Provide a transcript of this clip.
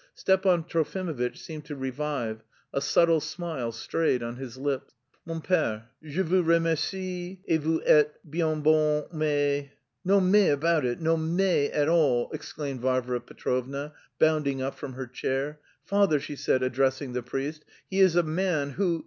Stepan Trofimovitch seemed to revive, a subtle smile strayed on his lips. "Mon père, je vous remercie et vous êtes bien bon, mais..." "No mais about it, no mais at all!" exclaimed Varvara Petrovna, bounding up from her chair. "Father," she said, addressing the priest, "he is a man who...